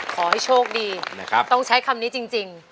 ขอให้โชคดีนะครับต้องใช้คำนี้จริง